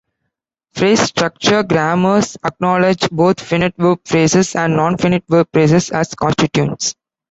Phrase structure grammars acknowledge both finite verb phrases and non-finite verb phrases as constituents.